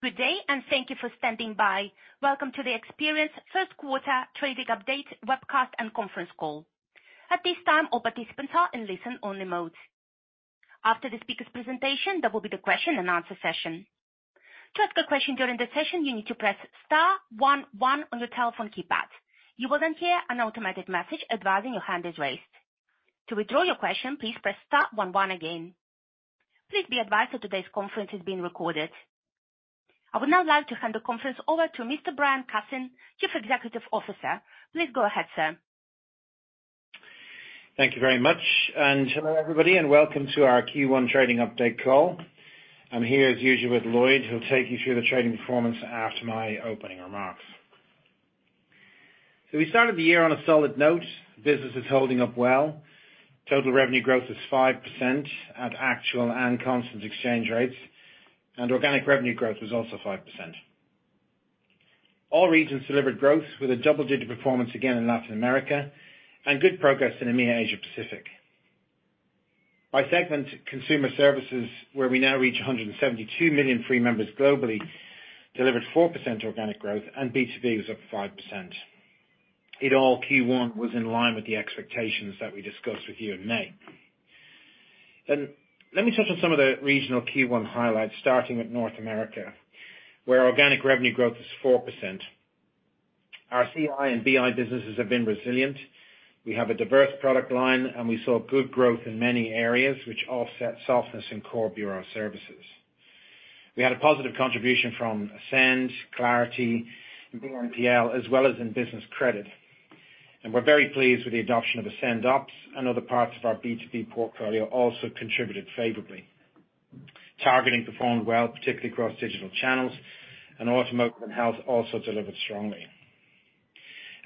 Good day, and thank you for standing by. Welcome to the Experian's First Quarter Trading Update Webcast and Conference Call. At this time, all participants are in listen-only mode. After the speaker's presentation, there will be the Q&A session. To ask a question during the session, you need to press star one one on your telephone keypad. You will then hear an automated message advising your hand is raised. To withdraw your question, please press star one one again. Please be advised that today's conference is being recorded. I would now like to hand the conference over to Mr. Brian Cassin, Chief Executive Officer. Please go ahead, sir. Thank you very much, hello, everybody, and welcome to our Q1 trading update call. I'm here, as usual, with Lloyd, who'll take you through the trading performance after my opening remarks. We started the year on a solid note. Business is holding up well. Total revenue growth is 5% at actual and constant exchange rates, organic revenue growth was also 5%. All regions delivered growth with a double-digit performance again in Latin America, good progress in EMEA, Asia Pacific. By segment, Consumer Services, where we now reach 172 million free members globally, delivered 4% organic growth, B2B was up 5%. In all, Q1 was in line with the expectations that we discussed with you in May. Let me touch on some of the regional Q1 highlights, starting with North America, where organic revenue growth is 4%. Our CI and BI businesses have been resilient. We have a diverse product line, and we saw good growth in many areas, which offset softness in core bureau services. We had a positive contribution from Ascend, Clarity, and [BRL], as well as in business credit. We're very pleased with the adoption of Ascend Ops, and other parts of our B2B portfolio also contributed favorably. Targeting performed well, particularly across digital channels, and automotive and health also delivered strongly.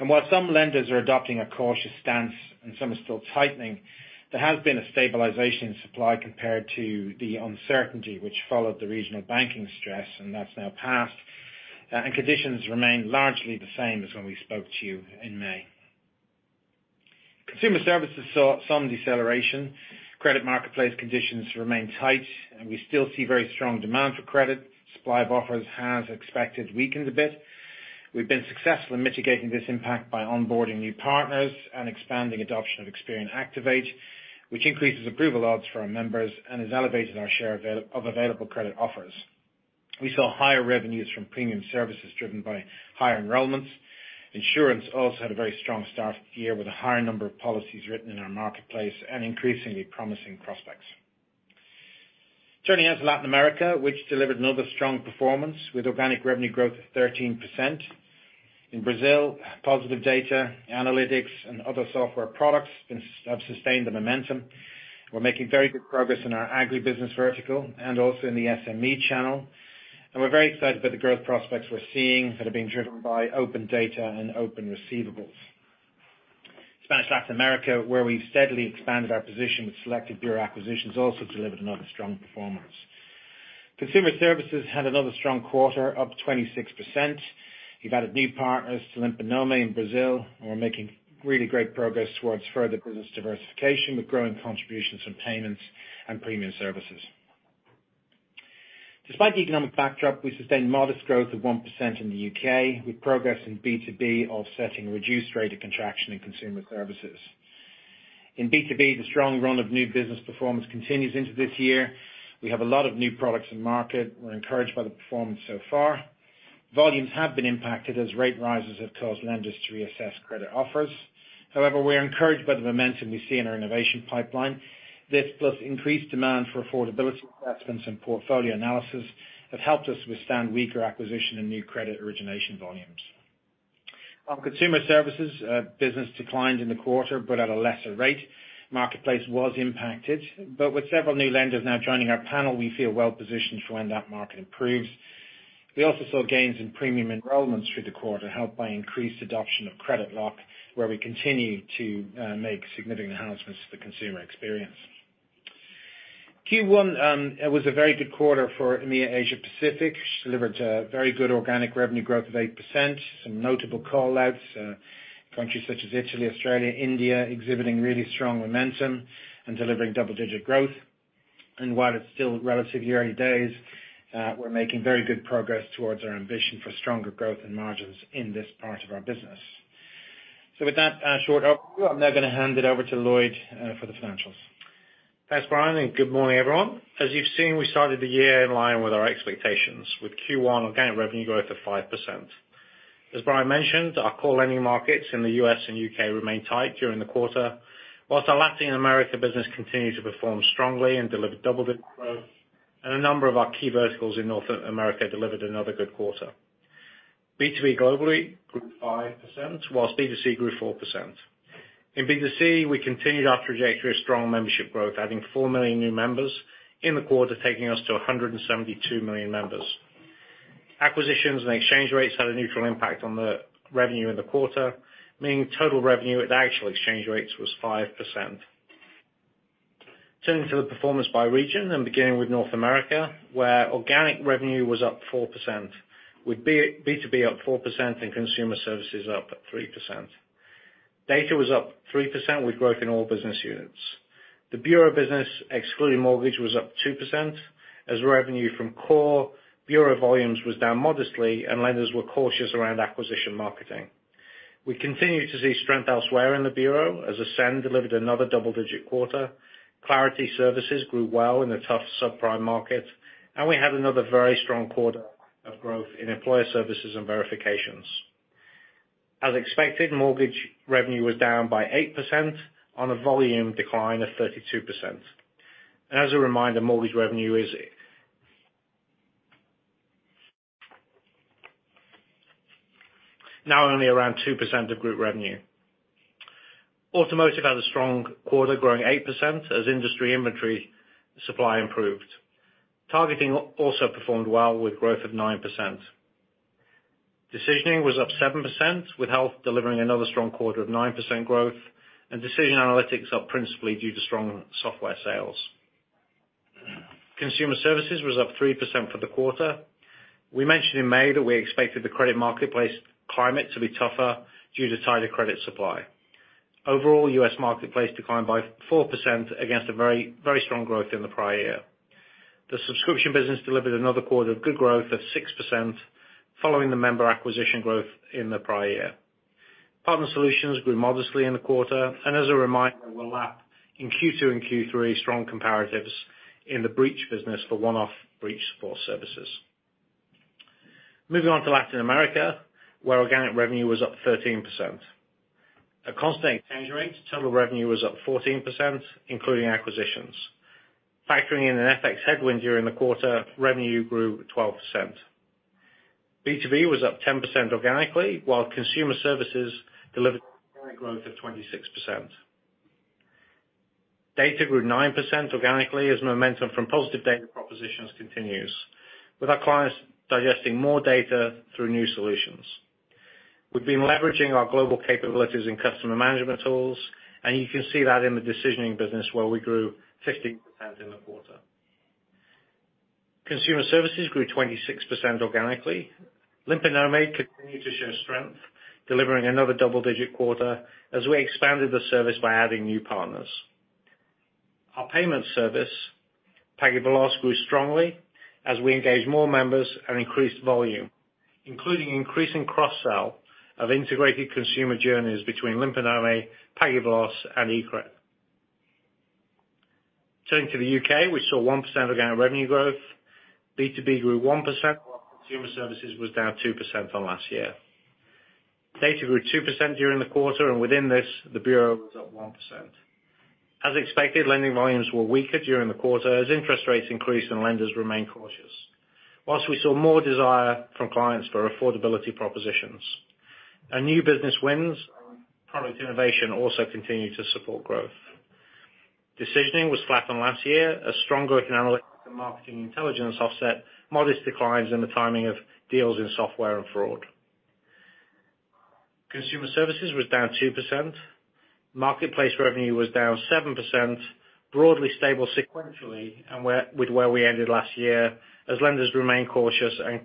While some lenders are adopting a cautious stance and some are still tightening, there has been a stabilization in supply compared to the uncertainty which followed the regional banking stress, and that's now passed, and conditions remain largely the same as when we spoke to you in May. Consumer Services saw some deceleration. Credit marketplace conditions remain tight, and we still see very strong demand for credit. Supply of offers has expected weakened a bit. We've been successful in mitigating this impact by onboarding new partners and expanding adoption of Experian Activate, which increases approval odds for our members and has elevated our share of available credit offers. We saw higher revenues from premium services driven by higher enrollments. Insurance also had a very strong start to the year, with a higher number of policies written in our marketplace and increasingly promising prospects. Turning now to Latin America, which delivered another strong performance with organic revenue growth of 13%. In Brazil, positive data, analytics, and other software products have sustained the momentum. We're making very good progress in our agribusiness vertical and also in the SME channel. We're very excited about the growth prospects we're seeing that are being driven by open data and open receivables. Spanish Latin America, where we've steadily expanded our position with selective bureau acquisitions, also delivered another strong performance. Consumer Services had another strong quarter, up 26%. We've added new partners to Limpa Nome in Brazil, and we're making really great progress towards further business diversification, with growing contributions from payments and premium services. Despite the economic backdrop, we sustained modest growth of 1% in the U.K., with progress in B2B offsetting a reduced rate of contraction in consumer services. In B2B, the strong run of new business performance continues into this year. We have a lot of new products in market. We're encouraged by the performance so far. Volumes have been impacted as rate rises have caused lenders to reassess credit offers. However, we are encouraged by the momentum we see in our innovation pipeline. This plus increased demand for affordability assessments and portfolio analysis have helped us withstand weaker acquisition and new credit origination volumes. Consumer Services business declined in the quarter, but at a lesser rate. Marketplace was impacted, but with several new lenders now joining our panel, we feel well positioned for when that market improves. We also saw gains in premium enrollments through the quarter, helped by increased adoption of CreditLock, where we continue to make significant enhancements to the consumer experience. Q1, it was a very good quarter for EMEA Asia Pacific. Delivered a very good organic revenue growth of 8%. Some notable call-outs, countries such as Italy, Australia, India, exhibiting really strong momentum and delivering double-digit growth. While it's still relatively early days, we're making very good progress towards our ambition for stronger growth and margins in this part of our business. With that, short overview, I'm now going to hand it over to Lloyd for the financials. Thanks, Brian. Good morning, everyone. As you've seen, we started the year in line with our expectations, with Q1 organic revenue growth of 5%. As Brian mentioned, our core lending markets in the U.S. and U.K. remained tight during the quarter, whilst our Latin America business continued to perform strongly and delivered double-digit growth. A number of our key verticals in North America delivered another good quarter. B2B globally grew 5%, whilst B2C grew 4%. In B2C, we continued our trajectory of strong membership growth, adding 4 million new members in the quarter, taking us to 172 million members. Acquisitions and exchange rates had a neutral impact on the revenue in the quarter, meaning total revenue at the actual exchange rates was 5%. Turning to the performance by region and beginning with North America, where organic revenue was up 4%, with B2B up 4% and Consumer Services up 3%. Data was up 3% with growth in all business units. The bureau business, excluding mortgage, was up 2%, as revenue from core bureau volumes was down modestly and lenders were cautious around acquisition marketing. We continued to see strength elsewhere in the bureau, as Ascend delivered another double-digit quarter. Clarity Services grew well in a tough subprime market, and we had another very strong quarter of growth in employer services and verifications. As expected, mortgage revenue was down by 8% on a volume decline of 32%. As a reminder, mortgage revenue is now only around 2% of group revenue. Automotive had a strong quarter, growing 8% as industry inventory supply improved. Targeting also performed well, with growth of 9%. Decisioning was up 7%, with health delivering another strong quarter of 9% growth, Decision analytics up principally due to strong software sales. Consumer Services was up 3% for the quarter. We mentioned in May that we expected the credit marketplace climate to be tougher due to tighter credit supply. Overall, U.S. marketplace declined by 4% against a very, very strong growth in the prior year. The subscription business delivered another quarter of good growth of 6% following the member acquisition growth in the prior year. Partner Solutions grew modestly in the quarter, as a reminder, we'll lap in Q2 and Q3, strong comparatives in the breach business for one-off breach support services. Moving on to Latin America, where organic revenue was up 13%. At constant exchange rates, total revenue was up 14%, including acquisitions. Factoring in an FX headwind during the quarter, revenue grew 12%. B2B was up 10% organically, while consumer services delivered growth of 26%. Data grew 9% organically as momentum from positive data propositions continues, with our clients digesting more data through new solutions. We've been leveraging our global capabilities in customer management tools, and you can see that in the decisioning business, where we grew 15% in the quarter. Consumer services grew 26% organically. Limpa Nome continued to show strength, delivering another double-digit quarter as we expanded the service by adding new partners. Our payment service, PagueVeloz, grew strongly as we engaged more members and increased volume, including increasing cross-sell of integrated consumer journeys between Limpa Nome, PagueVeloz and eCred. Turning to the U.K., we saw 1% organic revenue growth. B2B grew 1%, while Consumer Services was down 2% from last year. Data grew 2% during the quarter, and within this, the bureau was up 1%. As expected, lending volumes were weaker during the quarter as interest rates increased and lenders remained cautious. Whilst we saw more desire from clients for affordability propositions, and new business wins, product innovation also continued to support growth. Decisioning was flat from last year. A strong growth in analytics and marketing intelligence offset modest declines in the timing of deals in software and fraud. Consumer Services was down 2%. Marketplace revenue was down 7%, broadly stable sequentially, with where we ended last year, as lenders remained cautious and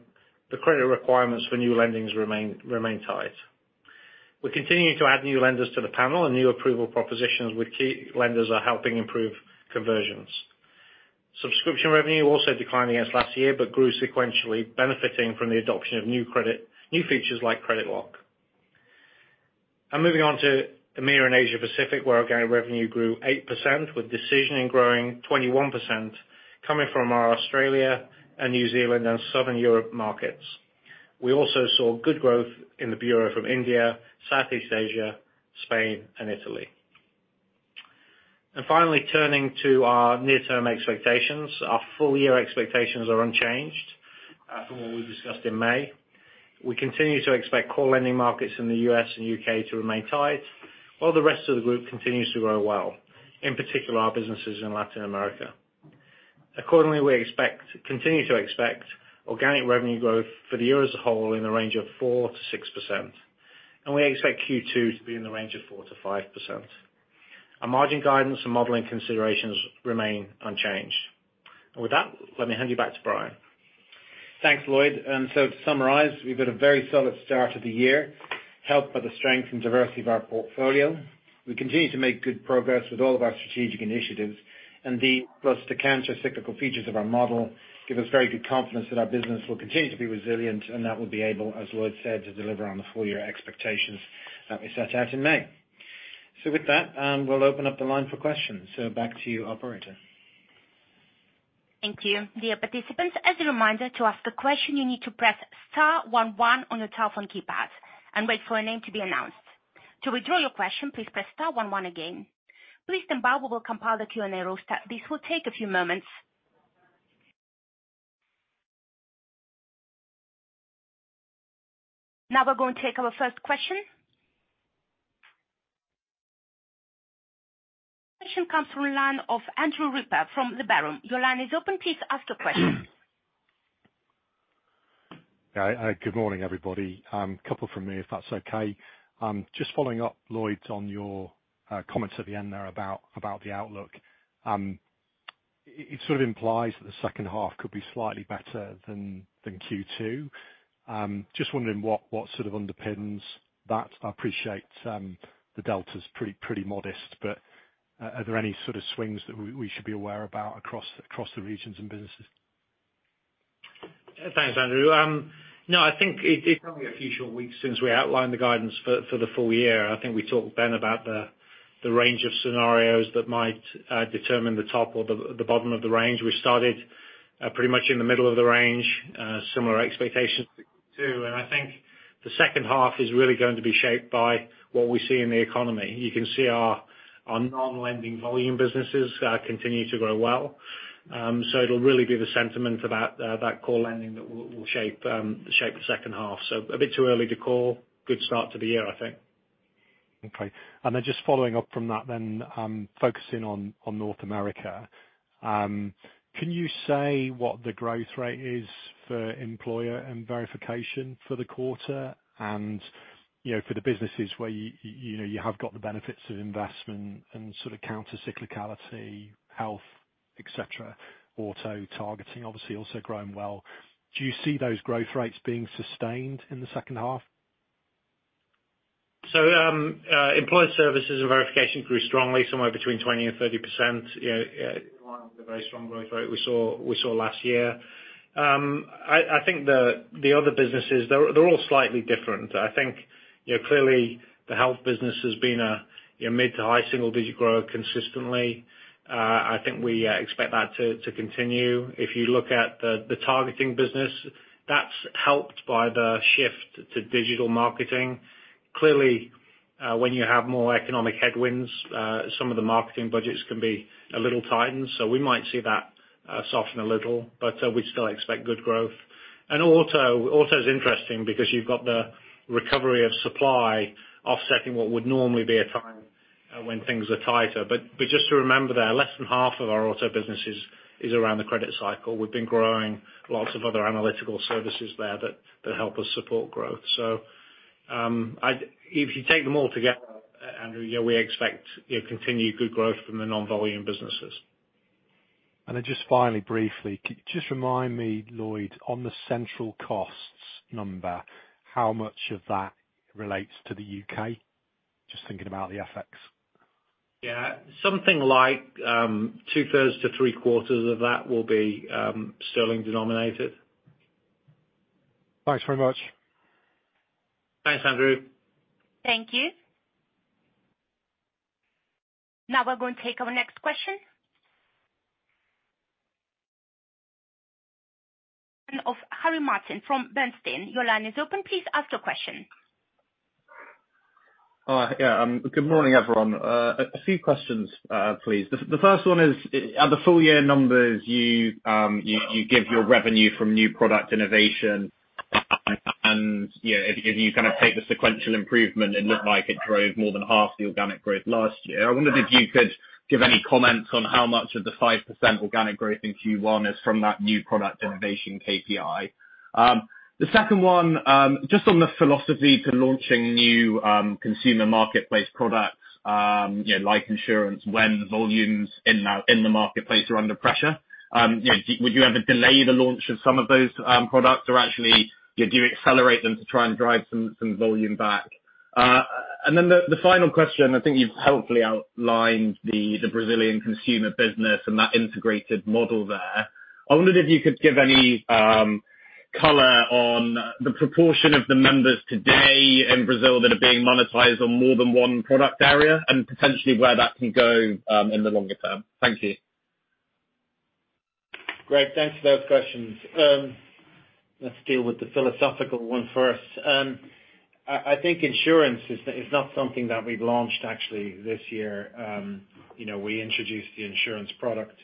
the credit requirements for new lendings remain tight. We're continuing to add new lenders to the panel, and new approval propositions with key lenders are helping improve conversions. Subscription revenue also declined against last year, but grew sequentially, benefiting from the adoption of new features like CreditLock. Moving on to EMEA and Asia Pacific, where organic revenue grew 8%, with Decisioning growing 21%, coming from our Australia and New Zealand and Southern Europe markets. We also saw good growth in the bureau from India, Southeast Asia, Spain and Italy. Finally, turning to our near-term expectations. Our full year expectations are unchanged from what we discussed in May. We continue to expect core lending markets in the U.S. and U.K. to remain tight, while the rest of the group continues to grow well, in particular, our businesses in Latin America. Accordingly, continue to expect organic revenue growth for the year as a whole in the range of 4%-6%, and we expect Q2 to be in the range of 4%-5%. Our margin guidance and modeling considerations remain unchanged. With that, let me hand you back to Brian. Thanks, Lloyd. To summarize, we've had a very solid start to the year, helped by the strength and diversity of our portfolio. We continue to make good progress with all of our strategic initiatives, and these, plus the countercyclical features of our model, give us very good confidence that our business will continue to be resilient, and that we'll be able, as Lloyd said, to deliver on the full year expectations that we set out in May. With that, we'll open up the line for questions. Back to you, Operator. Thank you. Dear participants, as a reminder, to ask a question, you need to press star one one on your telephone keypad and wait for your name to be announced. To withdraw your question, please press star one one again. Please stand by, we will compile the Q&A roster. This will take a few moments. We're going to take our first question. Question comes from the line of Andrew Ripper from Liberum. Your line is open. Please ask your question. Good morning, everybody. A couple from me, if that's okay. Just following up, Lloyd, on your comments at the end there about the outlook. It sort of implies that the second half could be slightly better than Q2. Just wondering what sort of underpins that? I appreciate the delta's pretty modest, but are there any sort of swings that we should be aware about across the regions and businesses? Thanks, Andrew. I think it's only a few short weeks since we outlined the guidance for the full year. I think we talked then about the range of scenarios that might determine the top or the bottom of the range. We started pretty much in the middle of the range, similar expectations to Q2. I think the second half is really going to be shaped by what we see in the economy. You can see our non-lending volume businesses continue to grow well. It'll really be the sentiment about that core lending that will shape the second half. A bit too early to call. Good start to the year, I think. Okay. Just following up from that, focusing on North America, can you say what the growth rate is for employer and verification for the quarter? You know, for the businesses where you know, you have got the benefits of investment and sort of counter cyclicality, health, etc., auto, targeting, obviously also growing well. Do you see those growth rates being sustained in the second half? Employed services and verification grew strongly, somewhere between 20% and 30%. You know, in line with the very strong growth rate we saw last year. I think the other businesses, they're all slightly different. I think, you know, clearly the health business has been a, you know, mid to high single-digit grower consistently. I think we expect that to continue. If you look at the targeting business, that's helped by the shift to digital marketing. Clearly, when you have more economic headwinds, some of the marketing budgets can be a little tightened, so we might see that soften a little, but we still expect good growth. Auto is interesting because you've got the recovery of supply offsetting what would normally be a time when things are tighter. Just to remember there, less than half of our auto businesses is around the credit cycle. We've been growing lots of other analytical services there that help us support growth. If you take them all together, Andrew, yeah, we expect, you know, continued good growth from the non-volume businesses. Then just finally, briefly, just remind me, Lloyd, on the central costs number, how much of that relates to the U.K.? Just thinking about the FX. Yeah, something like, 2/3 to 3/4 of that will be sterling denominated. Thanks very much. Thanks, Andrew. Thank you. Now we're going to take our next question. Of Harry Martin from Bernstein, your line is open. Please ask your question. Yeah, good morning, everyone. A few questions, please. The first one is, at the full year numbers, you give your revenue from new product innovation, and, you know, if you kind of take the sequential improvement, it looked like it drove more than half the organic growth last year. I wondered if you could give any comments on how much of the 5% organic growth in Q1 is from that new product innovation KPI? The second one, just on the philosophy to launching new consumer marketplace products, you know, like insurance, when the volumes in the marketplace are under pressure. You know, would you ever delay the launch of some of those products, or actually, you know, do you accelerate them to try and drive some volume back? Then the final question, I think you've helpfully outlined the Brazilian consumer business and that integrated model there. I wondered if you could give any color on the proportion of the members today in Brazil that are being monetized on more than one product area, and potentially where that can go in the longer term? Thank you. Great, thanks for those questions. Let's deal with the philosophical one first. I think insurance is not something that we've launched actually this year. You know, we introduced the insurance product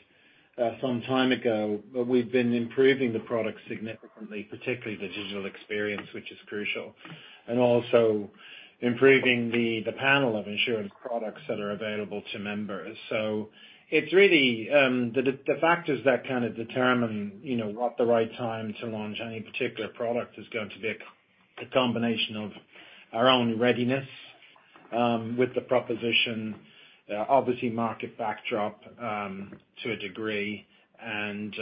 some time ago, but we've been improving the product significantly, particularly the digital experience, which is crucial, and also improving the panel of insurance products that are available to members. It's really the factors that kind of determine, you know, what the right time to launch any particular product is going to be a combination of our own readiness with the proposition, obviously market backdrop to a degree, and,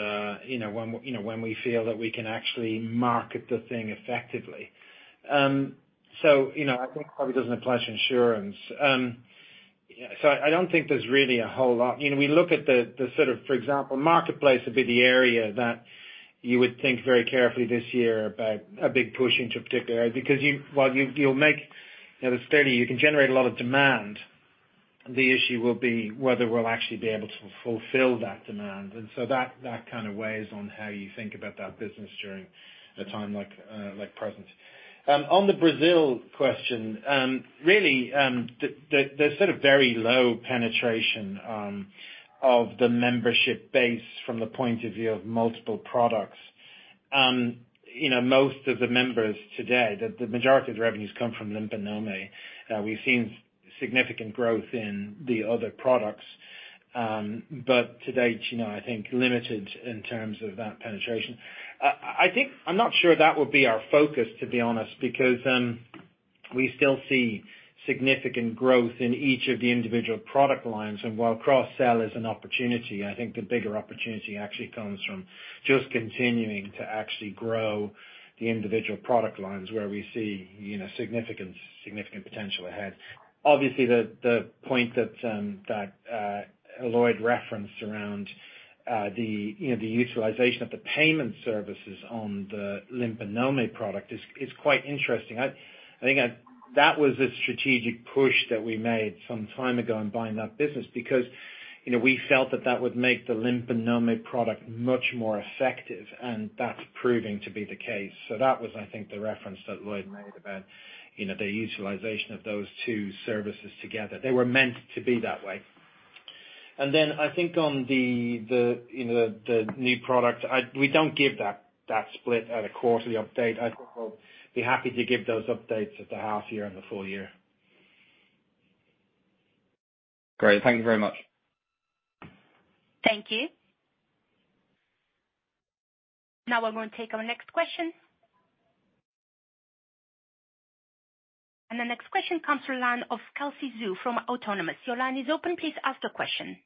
you know, when we feel that we can actually market the thing effectively. I think that doesn't apply to insurance. I don't think there's really a whole lot. You know, we look at the sort of, for example, marketplace would be the area that you would think very carefully this year about a big push into a particular area, because you, while you'll make, you know, steadily, you can generate a lot of demand, the issue will be whether we'll actually be able to fulfill that demand. So that kind of weighs on how you think about that business during a time like present. On the Brazil question, really, the, there's sort of very low penetration of the membership base from the point of view of multiple products. You know, most of the members today, the majority of the revenues come from Limpa Nome. We've seen significant growth in the other products, to date, you know, I think limited in terms of that penetration. I'm not sure that will be our focus, to be honest, because we still see significant growth in each of the individual product lines. While cross-sell is an opportunity, I think the bigger opportunity actually comes from just continuing to actually grow the individual product lines where we see, you know, significant potential ahead. Obviously, the point that Lloyd referenced around the, you know, the utilization of the payment services on the Limpa Nome product is quite interesting. I think I, that was a strategic push that we made some time ago in buying that business because, you know, we felt that that would make the Limpa Nome product much more effective, and that's proving to be the case. That was, I think, the reference that Lloyd made about, you know, the utilization of those two services together. They were meant to be that way. I think on the, you know, the new product, we don't give that split at a quarterly update. I'd be happy to give those updates at the half year and the full year. Great. Thank you very much. Thank you. Now we're going to take our next question. The next question comes from the line of Kelsey Zhu from Autonomous. Your line is open, please ask the question.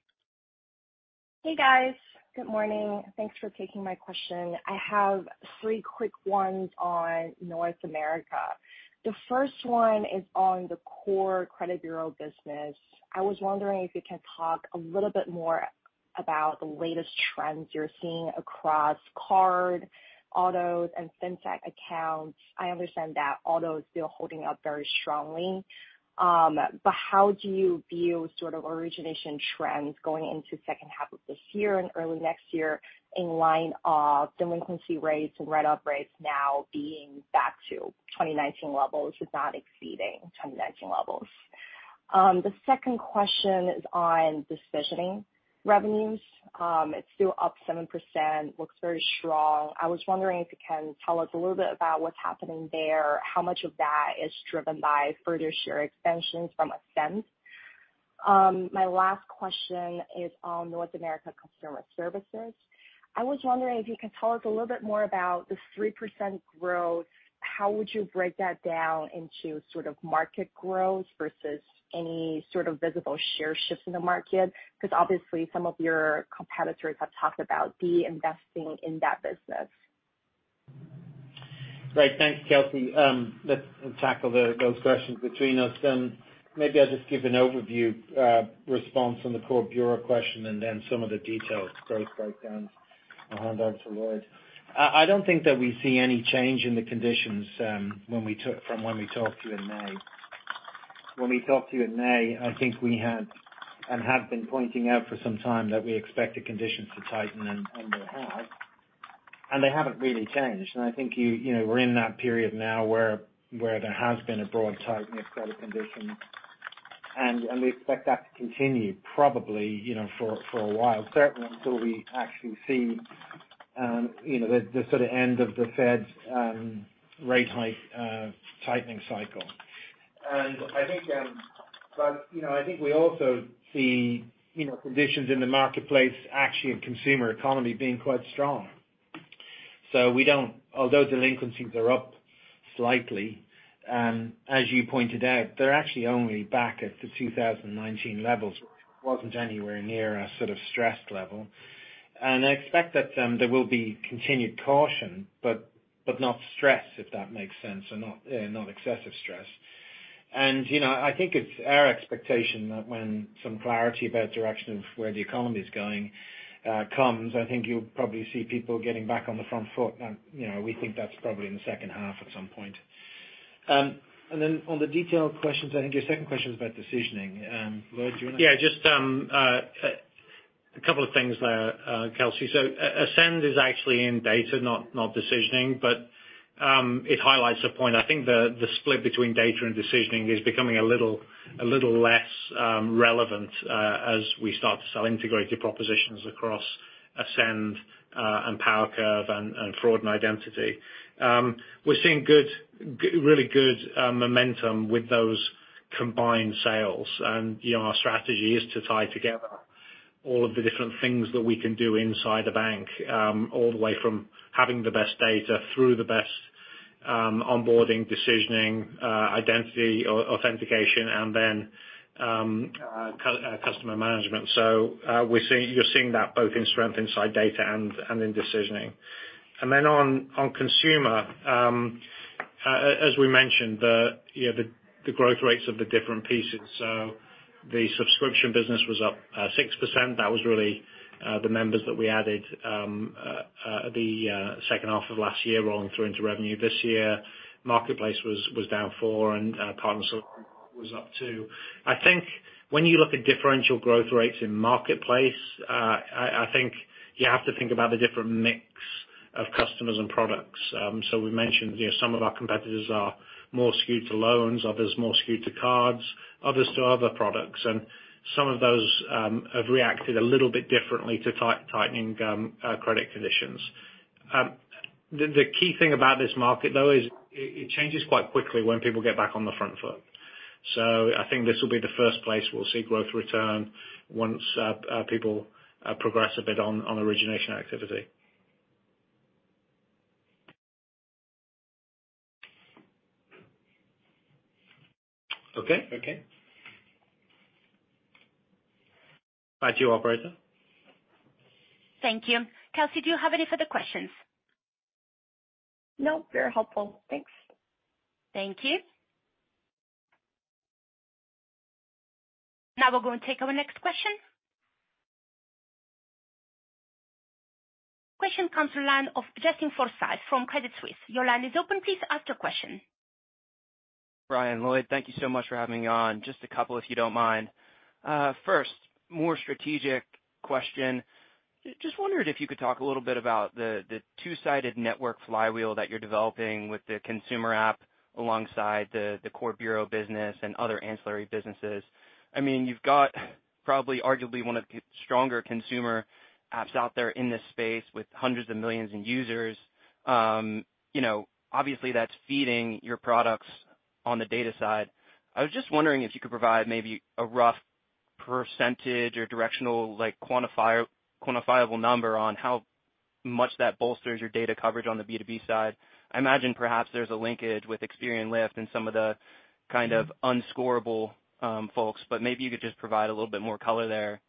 Hey, guys. Good morning. Thanks for taking my question. I have three quick ones on North America. The first one is on the core credit bureau business. I was wondering if you could talk a little bit more about the latest trends you're seeing across card, autos, and fintech accounts. I understand that auto is still holding up very strongly. How do you view sort of origination trends going into second half of this year and early next year in line of delinquency rates and write off rates now being back to 2019 levels, if not exceeding 2019 levels? The second question is on decisioning revenues. It's still up 7%, looks very strong. I was wondering if you can tell us a little bit about what's happening there, how much of that is driven by further share extensions from Ascend? My last question is on North America Consumer Services. I was wondering if you could tell us a little bit more about the 3% growth. How would you break that down into sort of market growth versus any sort of visible share shifts in the market? Obviously some of your competitors have talked about de-investing in that business. Great. Thanks, Kelsey. Let's tackle those questions between us. Maybe I'll just give an overview response on the core bureau question and then some of the detailed growth breakdowns, I'll hand over to Lloyd. I don't think that we see any change in the conditions from when we talked to you in May. We talked to you in May, I think we had, and have been pointing out for some time, that we expected conditions to tighten in, and they have, and they haven't really changed. I think you know, we're in that period now where there has been a broad tightening of credit conditions, and we expect that to continue probably, you know, for a while, certainly until we actually see, you know, the sort of end of the Fed's rate hike tightening cycle. I think, but, you know, I think we also see, you know, conditions in the marketplace, actually, in consumer economy being quite strong. Although delinquencies are up slightly, as you pointed out, they're actually only back at the 2019 levels, which wasn't anywhere near our sort of stressed level. I expect that there will be continued caution, but not stress, if that makes sense, or not excessive stress. You know, I think it's our expectation that when some clarity about direction of where the economy is going, comes, I think you'll probably see people getting back on the front foot. You know, we think that's probably in the second half at some point. On the detailed questions, I think your second question is about decisioning. Lloyd, do you want to. Yeah, just a couple of things there, Kelsey. Ascend is actually in data, not decisioning, but it highlights a point. I think the split between data and decisioning is becoming a little less relevant as we start to sell integrated propositions across Ascend and PowerCurve and Fraud and Identity. We're seeing good, really good momentum with those combined sales. You know, our strategy is to tie together all of the different things that we can do inside a bank, all the way from having the best data through the best onboarding, decisioning, identity or authentication, and then customer management. You're seeing that both in strength, inside data and in decisioning. Then on consumer, as we mentioned, the, you know, the growth rates of the different pieces. The subscription business was up 6%. That was really the members that we added, the second half of last year rolling through into revenue this year. Marketplace was down 4%, and partner solution was up 2%. I think when you look at differential growth rates in marketplace, I think you have to think about the different mix of customers and products. We mentioned, you know, some of our competitors are more skewed to loans, others more skewed to cards, others to other products, and some of those have reacted a little bit differently to tightening credit conditions. The key thing about this market, though, is it changes quite quickly when people get back on the front foot. I think this will be the first place we'll see growth return once people progress a bit on origination activity. Okay. Okay. Back to you, operator. Thank you. Kelsey, do you have any further questions? No, very helpful. Thanks. Thank you. Now we're going to take our next question. Question comes from the line of Justin Forsythe from Credit Suisse. Your line is open. Please ask your question. Brian, Lloyd, thank you so much for having me on. Just a couple, if you don't mind. First, more strategic question. Just wondering if you could talk a little bit about the two-sided network flywheel that you're developing with the consumer app alongside the core bureau business and other ancillary businesses. I mean, you've got probably arguably one of the stronger consumer apps out there in this space with hundreds of millions in users. You know, obviously, that's feeding your products on the data side. I was just wondering if you could provide maybe a rough percentage or directional, like, quantifiable number on how much that bolsters your data coverage on the B2B side. I imagine perhaps there's a linkage with Experian Lift and some of the kind of unscorable, folks, but maybe you could just provide a little bit more color there.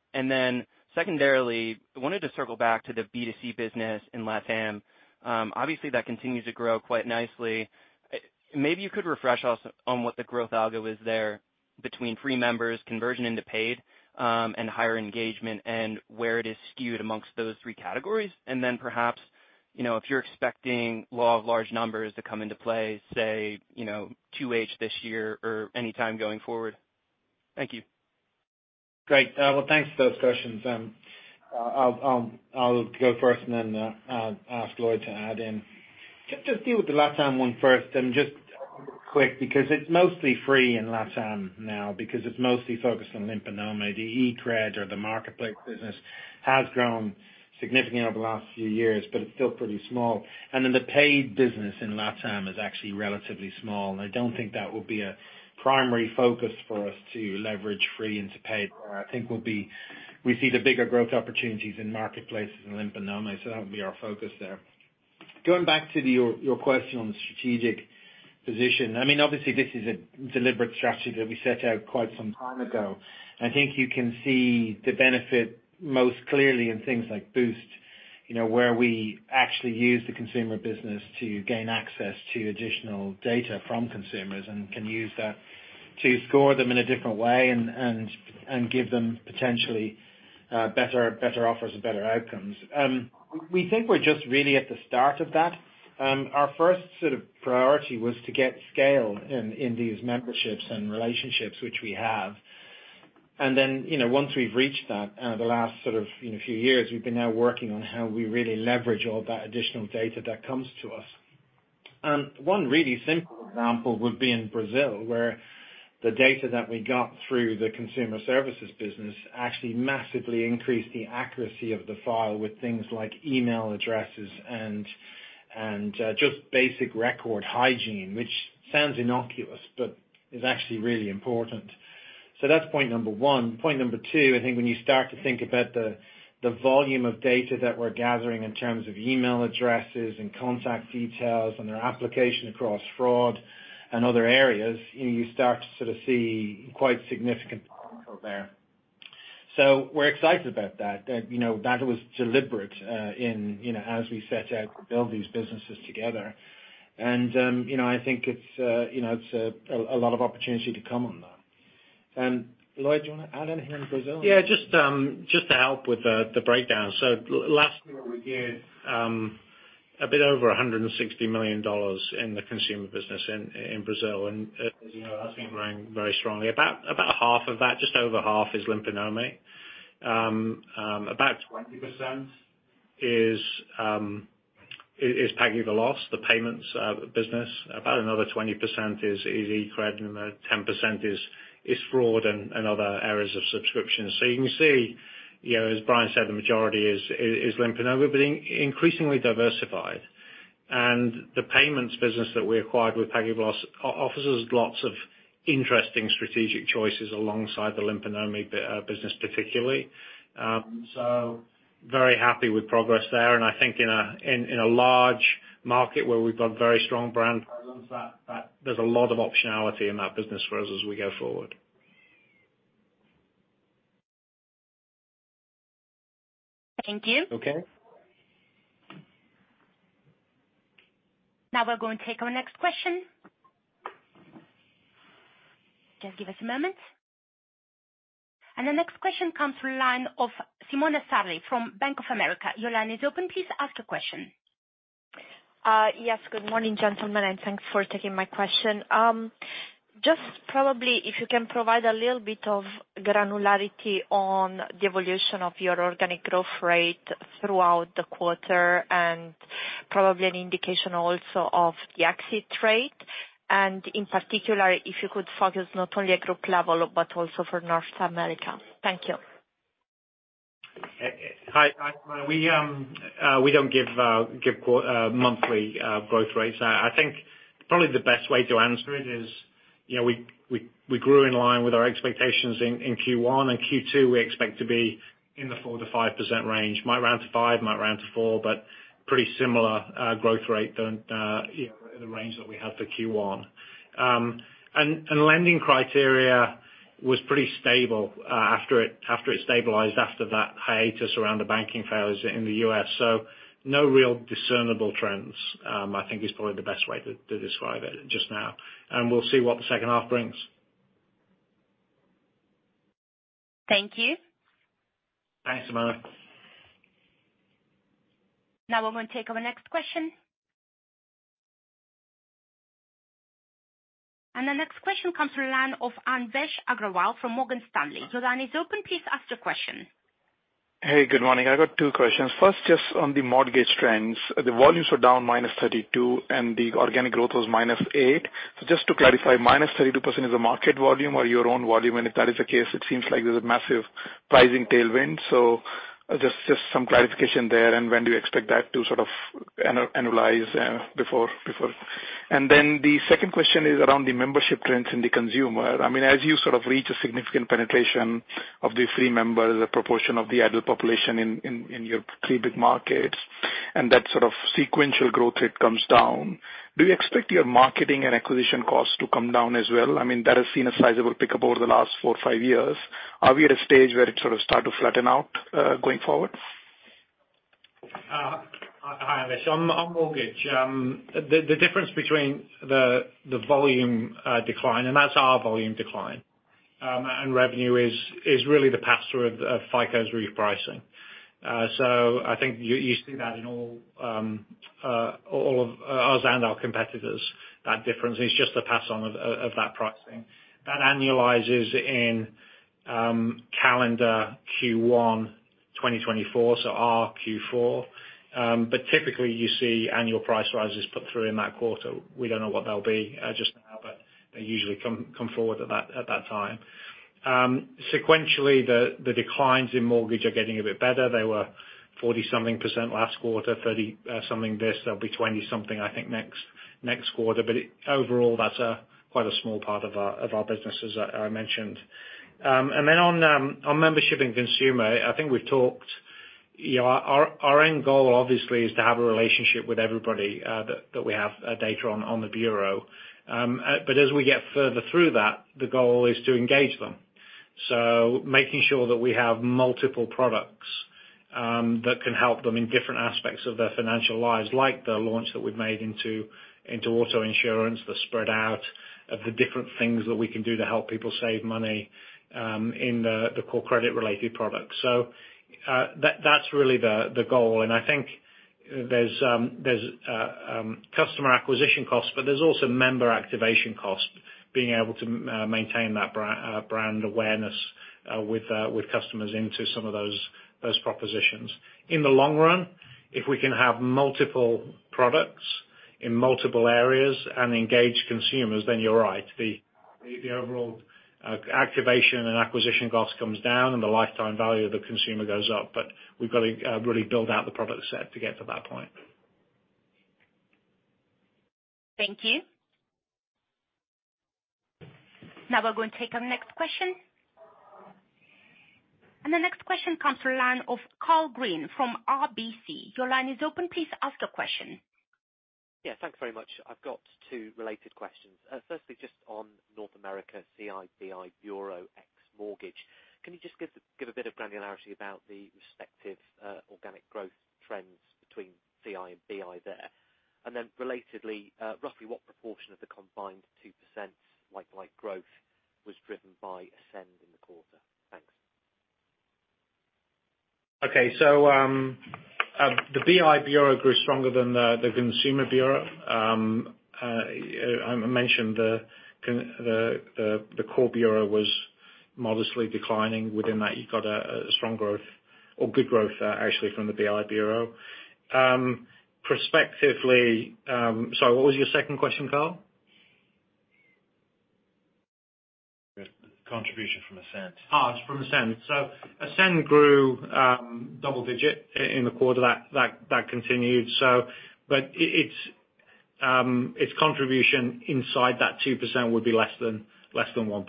Secondarily, I wanted to circle back to the B2C business in LatAm. Obviously, that continues to grow quite nicely. Maybe you could refresh us on what the growth algo is there between free members, conversion into paid, and higher engagement, and where it is skewed amongst those three categories. Perhaps, you know, if you're expecting law of large numbers to come into play, say, you know, 2H this year or any time going forward. Thank you. Great. Well, thanks for those questions. I'll go first, and then I'll ask Lloyd to add in. Just deal with the LatAm one first, and just quick, because it's mostly free in LatAm now, because it's mostly focused on Limpa Nome. The eCred or the marketplace business has grown significantly over the last few years, but it's still pretty small. The paid business in LatAm is actually relatively small, and I don't think that will be a primary focus for us to leverage free into paid. I think we see the bigger growth opportunities in marketplaces and Limpa Nome, so that'll be our focus there. Going back to the, your question on the strategic position, I mean, obviously this is a deliberate strategy that we set out quite some time ago. I think you can see the benefit most clearly in things like Boost, you know, where we actually use the consumer business to gain access to additional data from consumers and can use that to score them in a different way and give them potentially better offers and better outcomes. We think we're just really at the start of that. Our first sort of priority was to get scale in these memberships and relationships, which we have. Then, you know, once we've reached that, the last sort of, you know, few years, we've been now working on how we really leverage all that additional data that comes to us. One really simple example would be in Brazil, where the data that we got through the Consumer Services business actually massively increased the accuracy of the file with things like email addresses and just basic record hygiene, which sounds innocuous, but is actually really important. That's point number one. Point number two, I think when you start to think about the volume of data that we're gathering in terms of email addresses and contact details and their application across fraud and other areas, you know, you start to sort of see quite significant potential there. We're excited about that, you know, that was deliberate in, you know, as we set out to build these businesses together. I think it's, you know, it's a lot of opportunity to come on that. Lloyd, do you want to add anything on Brazil? Just to help with the breakdown. Last year, we did a bit over $160 million in the consumer business in Brazil, and as you know, that's been growing very strongly. About half of that, just over half, is Limpa Nome. About 20% is PagueVeloz, the payments business. About another 20% is eCred, and about 10% is fraud and other areas of subscription. You can see, you know, as Brian said, the majority is Limpa Nome, but increasingly diversified. The payments business that we acquired with PagueVeloz offers us lots of interesting strategic choices alongside the Limpa Nome business particularly. Very happy with progress there, and I think in a large market where we've got very strong brand presence, that there's a lot of optionality in that business for us as we go forward. Thank you. Okay. Now we're going to take our next question. Just give us a moment. The next question comes from the line of Simona Sarli from Bank of America. Your line is open. Please ask a question. Yes, good morning, gentlemen. Thanks for taking my question. Just probably if you can provide a little bit of granularity on the evolution of your organic growth rate throughout the quarter. Probably an indication also of the exit rate. In particular, if you could focus not only at group level, but also for North America. Thank you. Hi, Simona. We don't give monthly growth rates. I think probably the best way to answer it is. you know, we grew in line with our expectations in Q1 and Q2, we expect to be in the 4%-5% range. Might round to 5%, might round to 4%, but pretty similar growth rate than, you know, in the range that we had for Q1. Lending criteria was pretty stable after it stabilized, after that hiatus around the banking failures in the U.S. No real discernible trends, I think, is probably the best way to describe it just now. We'll see what the second half brings. Thank you. Thanks, Amanda. Now we're going to take our next question. The next question comes from the line of Anvesh Agrawal from Morgan Stanley. Your line is open. Please ask your question. Hey, good morning. I got two questions. First, just on the mortgage trends, the volumes were down -32%, and the organic growth was -8%. Just to clarify, -32% is the market volume or your own volume? If that is the case, it seems like there's a massive pricing tailwind. Just some clarification there, and when do you expect that to sort of annualize before? The second question is around the membership trends in the consumer. I mean, as you sort of reach a significant penetration of the free members, the proportion of the adult population in your three big markets, and that sort of sequential growth rate comes down, do you expect your marketing and acquisition costs to come down as well? I mean, that has seen a sizable pickup over the last four, five years. Are we at a stage where it sort of start to flatten out, going forward? Hi, Anvesh. On mortgage, the difference between the volume decline, and that's our volume decline, and revenue is really the pass-through of FICO's repricing. I think you see that in all of us and our competitors. That difference is just the pass-on of that pricing. That annualizes in calendar Q1 2024, so our Q4. Typically you see annual price rises put through in that quarter. We don't know what they'll be just now, but they usually come forward at that time. Sequentially, the declines in mortgage are getting a bit better. They were 40 something percent last quarter, 30 something this, they'll be 20 something, I think, next quarter. Overall, that's a quite a small part of our business, as I mentioned. Then on membership and consumer, I think we've talked, you know, our end goal obviously is to have a relationship with everybody that we have data on the bureau. As we get further through that, the goal is to engage them. Making sure that we have multiple products that can help them in different aspects of their financial lives, like the launch that we've made into auto insurance, the spread out of the different things that we can do to help people save money in the core credit related products. That's really the goal, and I think there's customer acquisition costs, but there's also member activation costs, being able to maintain that brand awareness with customers into some of those propositions. In the long run, if we can have multiple products in multiple areas and engage consumers, then you're right. The overall activation and acquisition costs comes down and the lifetime value of the consumer goes up. We've got to really build out the product set to get to that point. Thank you. Now we're going to take our next question. The next question comes from line of Karl Green from RBC. Your line is open. Please ask your question. Yeah, thank you very much. I've got two related questions. Firstly, just on North America, CI, BI, Bureau, Ex-mortgage. Can you just give a bit of granularity about the respective organic growth trends between CI and BI there? Then relatedly, roughly what proportion of the combined 2% like-like growth was driven by Ascend in the quarter? Thanks. Okay, the BI bureau grew stronger than the consumer bureau. I mentioned the core bureau was modestly declining. Within that, you've got a strong growth or good growth, actually, from the BI bureau. Prospectively, Sorry, what was your second question, Karl? Contribution from Ascend. It's from Ascend. Ascend grew double-digit in the quarter. That continued, but its contribution inside that 2% would be less than 1%.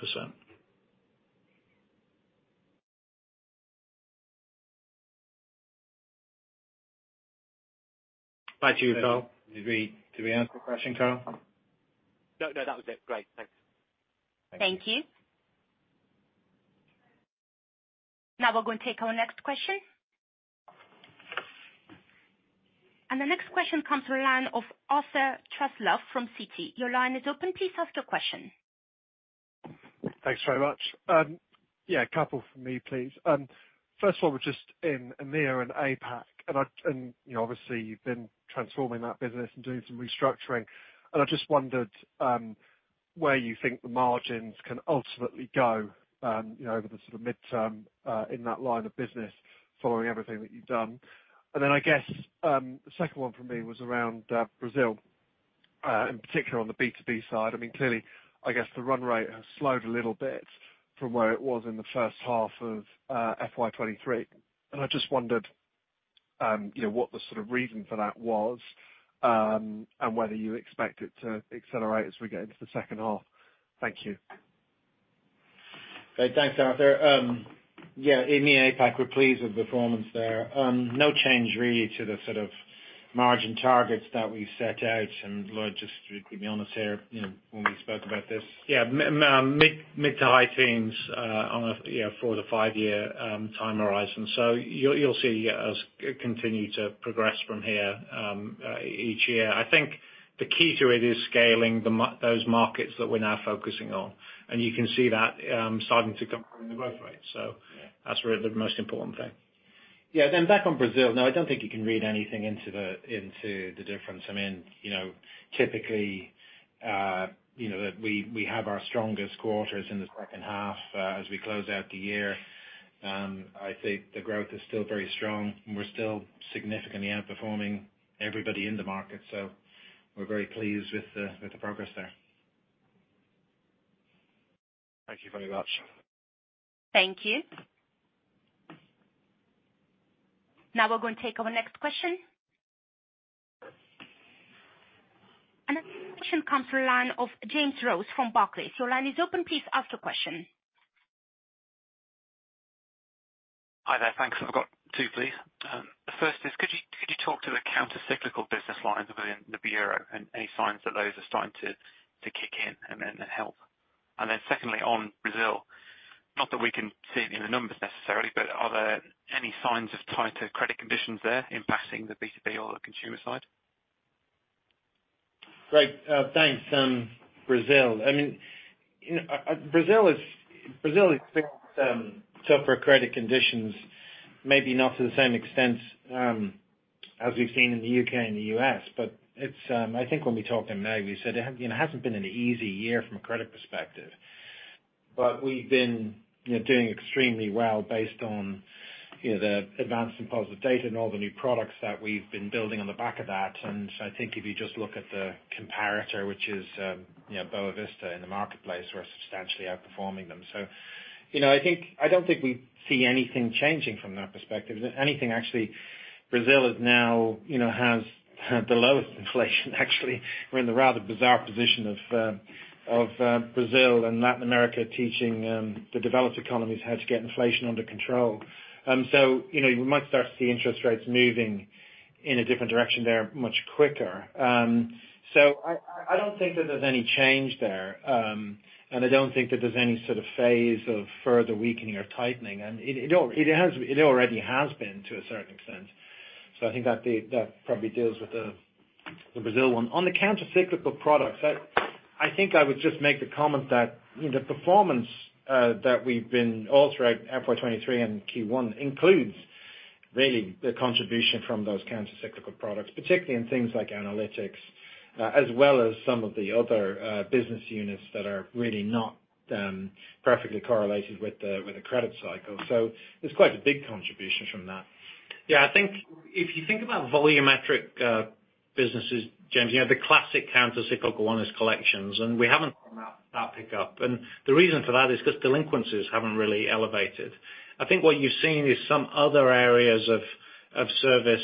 Back to you, Karl. Do we have a question, Karl? No, no, that was it. Great. Thanks. Thank you. Now we're going to take our next question. The next question comes from a line of Arthur Truslove from Citi. Your line is open. Please ask your question. Thanks very much. Yeah, a couple from me, please. First of all, just in EMEA and APAC, and, you know, obviously you've been transforming that business and doing some restructuring. I just wondered, where you think the margins can ultimately go, you know, over the sort of midterm in that line of business following everything that you've done. Then I guess, the second one for me was around Brazil, in particular on the B2B side. I mean, clearly, I guess the run rate has slowed a little bit from where it was in the first half of FY 2023. I just wondered, you know, what the sort of reason for that was, and whether you expect it to accelerate as we get into the second half. Thank you. Great. Thanks, Arthur. Yeah, in the APAC, we're pleased with the performance there. No change really to the sort of margin targets that we set out. Lloyd, just to be honest here, you know, when we spoke about this. Yeah, mid to high teens on a, you know, four to five-year time horizon. You'll see us continue to progress from here each year. I think the key to it is scaling those markets that we're now focusing on, you can see that starting to come from the growth rate. That's really the most important thing. Yeah. Back on Brazil. Now, I don't think you can read anything into the difference. I mean, you know, typically, that we have our strongest quarters in the second half, as we close out the year. I think the growth is still very strong, and we're still significantly outperforming everybody in the market, so we're very pleased with the progress there. Thank you very much. Thank you. Now we're going to take our next question. The question comes from the line of James Rose from Barclays. Your line is open. Please ask your question. Hi there. Thanks. I've got two, please. The first is, could you talk to the countercyclical business lines within the bureau and any signs that those are starting to kick in and help? Secondly, on Brazil, not that we can see it in the numbers necessarily, but are there any signs of tighter credit conditions there impacting the B2B or the consumer side? Great. Thanks. Brazil, I mean, you know, Brazil has been tougher credit conditions, maybe not to the same extent as we've seen in the U.K. and the U.S., but it's I think when we talked in May, we said, "You know, it hasn't been an easy year from a credit perspective." We've been, you know, doing extremely well based on, you know, the advance in positive data and all the new products that we've been building on the back of that. I think if you just look at the comparator, which is, you know, Boa Vista in the marketplace, we're substantially outperforming them. You know, I don't think we see anything changing from that perspective. If anything, actually, Brazil is now, you know, has the lowest inflation actually. We're in the rather bizarre position of Brazil and Latin America teaching the developed economies how to get inflation under control. You know, you might start to see interest rates moving in a different direction there much quicker. I, I don't think that there's any change there, and I don't think that there's any sort of phase of further weakening or tightening. It already has been to a certain extent. I think that probably deals with the Brazil one. On the countercyclical products, I think I would just make the comment that the performance that we've been all throughout FY 2023 and Q1 includes really the contribution from those countercyclical products, particularly in things like analytics, as well as some of the other business units that are really not perfectly correlated with the credit cycle. There's quite a big contribution from that. Yeah, I think if you think about volumetric businesses, James, you know, the classic countercyclical one is collections, and we haven't seen that pick up. The reason for that is because delinquencies haven't really elevated. I think what you've seen is some other areas of service,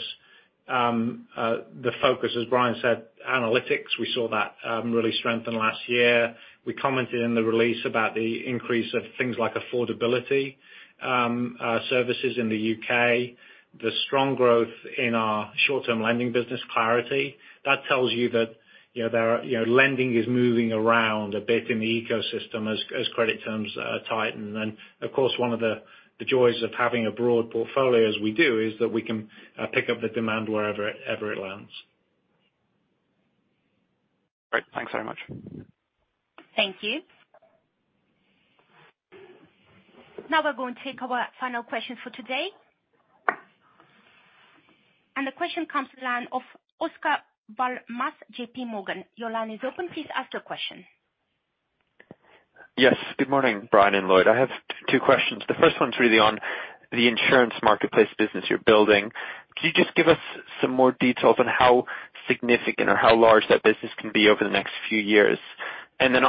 the focus, as Brian said, analytics, we saw that really strengthen last year. We commented in the release about the increase of things like affordability services in the U.K., the strong growth in our short-term lending business, Clarity. That tells you that, you know, there are, you know, lending is moving around a bit in the ecosystem as credit terms tighten. Of course, one of the joys of having a broad portfolio as we do, is that we can pick up the demand wherever it lands. Great. Thanks very much. Thank you. Now we're going to take our final question for today. The question comes in the line of Oscar Val Mas, JPMorgan. Your line is open. Please ask your question. Yes. Good morning, Brian and Lloyd. I have two questions. The first one's really on the insurance marketplace business you're building. Can you just give us some more details on how significant or how large that business can be over the next few years?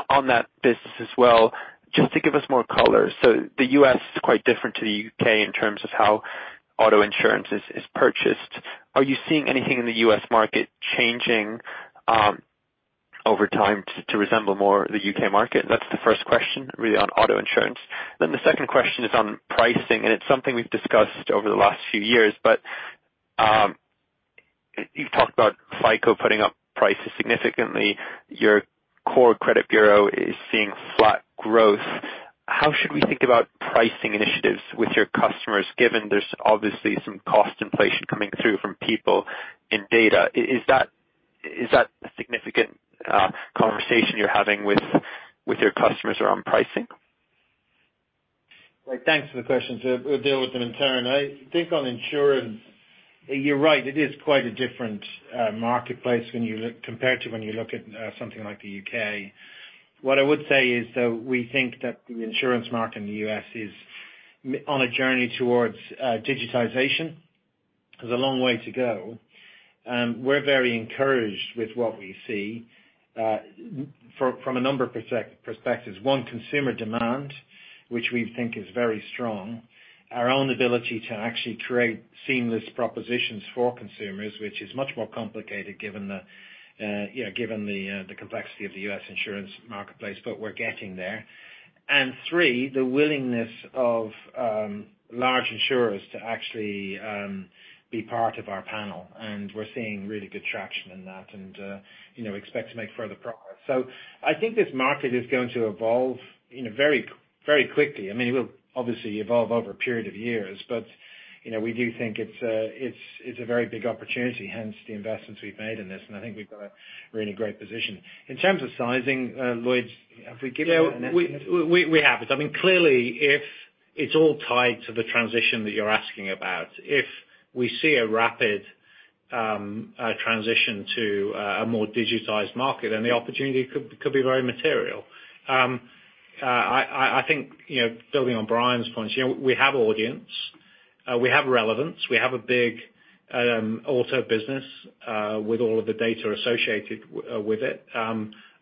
On that business as well, just to give us more color, the U.S. is quite different to the U.K. in terms of how auto insurance is purchased. Are you seeing anything in the U.S. market changing over time to resemble more the U.K. market? That's the first question, really on auto insurance. The second question is on pricing, and it's something we've discussed over the last few years, you've talked about FICO putting up prices significantly. Your core credit bureau is seeing flat growth. How should we think about pricing initiatives with your customers, given there's obviously some cost inflation coming through from people in data? Is that a significant conversation you're having with your customers around pricing? Great, thanks for the question. We'll deal with them in turn. I think on insurance, you're right, it is quite a different marketplace. Compared to when you look at something like the U.K. What I would say is, though, we think that the insurance market in the U.S. is on a journey towards digitization. There's a long way to go. We're very encouraged with what we see from a number of perspectives. One, consumer demand, which we think is very strong. Our own ability to actually create seamless propositions for consumers, which is much more complicated, given the complexity of the U.S. insurance marketplace, but we're getting there. Three, the willingness of large insurers to actually be part of our panel, and we're seeing really good traction in that and, you know, expect to make further progress. I think this market is going to evolve in a very quickly. I mean, it will obviously evolve over a period of years, but, you know, we do think it's a, it's a very big opportunity, hence the investments we've made in this, and I think we've got a really great position. In terms of sizing, Lloyd, have we given an estimate? We have. I mean, clearly, if it's all tied to the transition that you're asking about, if we see a rapid transition to a more digitized market, then the opportunity could be very material. I think, you know, building on Brian's points, you know, we have audience, we have relevance, we have a big auto business, with all of the data associated with it.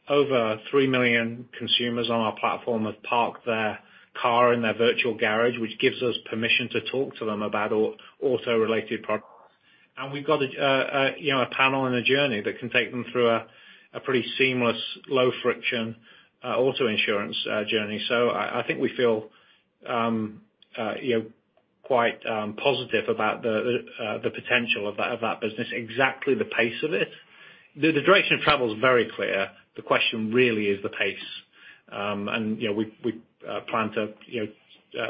Over three million consumers on our platform have parked their car in their virtual garage, which gives us permission to talk to them about auto-related products. We've got a, you know, a panel and a journey that can take them through a pretty seamless, low-friction auto insurance journey. I think we feel, you know, quite positive about the potential of that business. Exactly the pace of it? The direction of travel is very clear. The question really is the pace. You know, we plan to, you know,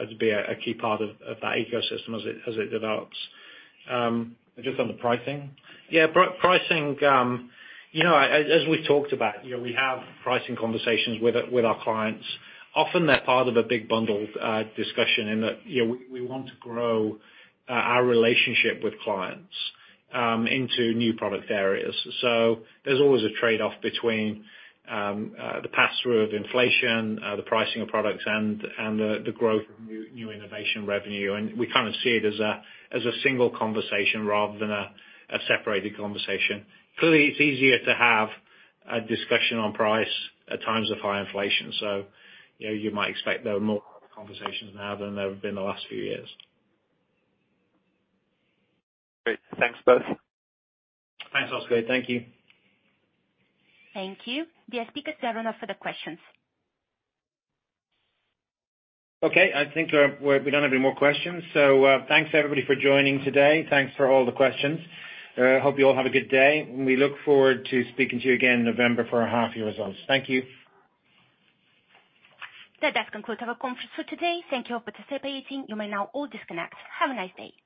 to be a key part of that ecosystem as it develops. Just on the pricing? Yeah, pricing, you know, as we've talked about, you know, we have pricing conversations with our clients. Often, they're part of a big bundle discussion in that, you know, we want to grow our relationship with clients into new product areas. There's always a trade-off between the pass-through of inflation, the pricing of products, and the growth of new innovation revenue. We kind of see it as a single conversation rather than a separated conversation. Clearly, it's easier to have a discussion on price at times of high inflation. You know, you might expect there are more conversations now than there have been in the last few years. Great. Thanks, both. Thanks, Oscar. Thank you. Thank you. The speakers are done for the questions. Okay, I think, we don't have any more questions. Thanks everybody for joining today. Thanks for all the questions. Hope you all have a good day, and we look forward to speaking to you again in November for our half year results. Thank you. That does conclude our conference for today. Thank you all for participating. You may now all disconnect. Have a nice day.